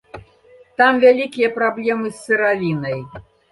Там вялікія праблемы з сыравінай.